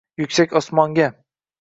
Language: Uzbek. yuksak osmonga.